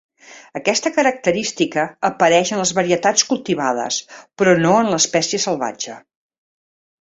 Aquesta característica apareix en les varietats cultivades però no en l'espècie salvatge.